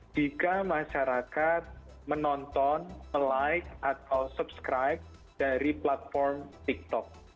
jika masyarakat menonton like atau subscribe dari platform tiktok